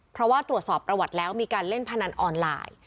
เพราะว่าตรวจสอบประวัติแล้วมีการเล่นพนันออนไลน์